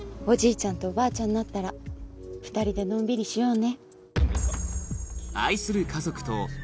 ちゃんとおばあちゃんになったら２人でのんびりしようね。